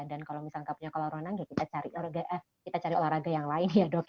dan kalau misalnya tidak punya kolam berenang kita cari olahraga yang lain ya dok ya